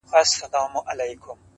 قتلول به یې مظلوم خلک بېځایه،